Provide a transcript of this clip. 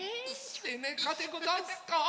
せなかでござんすか？